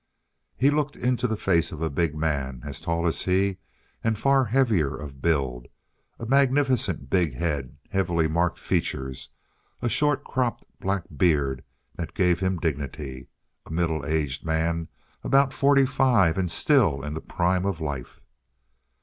He looked into the face of a big man, as tall as he and far heavier of build: a magnificent big head, heavily marked features, a short cropped black beard that gave him dignity. A middle aged man, about forty five, and still in the prime of life.